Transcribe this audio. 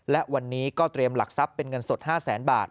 และวันนี้ก็เตรียมหลักทรัพย์เป็นเงินสด๕แสนบาท